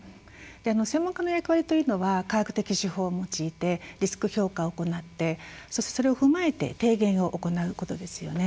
専門家の役割というのは科学的手法を用いてリスク評価を行ってそれを踏まえて提言を行うことですよね。